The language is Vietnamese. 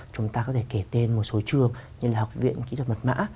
chúng ta có thể kể tên một số trường như là học viện kỹ thuật mặt mã